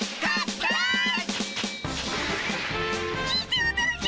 聞いておどろけ！